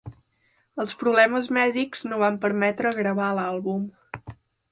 Els problemes mèdics no van permetre gravar l"àlbum.